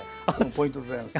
ポイントでございます。